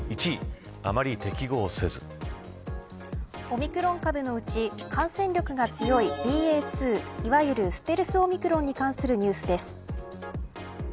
ＳＮＳ１位オミクロン株のうち感染力が強いＢＡ．２、いわゆるステルスオミクロンに関するニュースです。